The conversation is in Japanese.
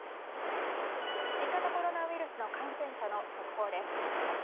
新型コロナウイルスの感染者の速報です。